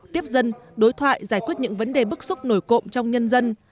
tiếp dân đối thoại giải quyết những vấn đề bức xúc nổi cộm trong nhân dân